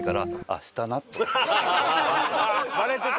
バレてた！